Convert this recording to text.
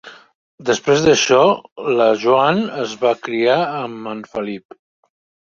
Després d'això, la Joan es va criar amb en Felip.